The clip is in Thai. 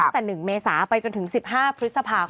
ตั้งแต่๑เมษาไปจนถึง๑๕พฤษภาคม